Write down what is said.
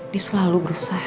dia selalu berusaha